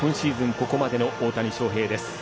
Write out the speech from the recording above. ここまでの大谷翔平です。